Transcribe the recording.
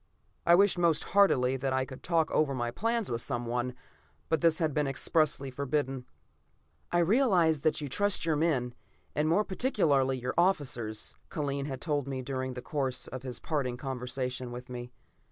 I wished most heartily that I could talk over my plans with someone, but this had been expressly forbidden. "I realize that you trust your men, and more particularly your officers," Kellen had told me during the course of his parting conversation with me.